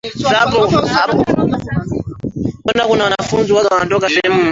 Mwaka wa mia moja kabla ya kuzaliwa kwa yesu kristo